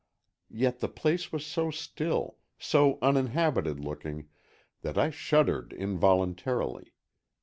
Yet the place was so still, so uninhabited looking that I shuddered involuntarily.